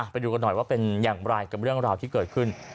ไปดูกันหน่อยว่าเป็นอย่างไรกับเรื่องราวที่เกิดขึ้น